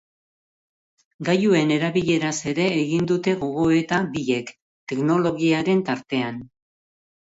Gailuen erabileraz ere egin dute gogoeta biek teknologiaren tartean.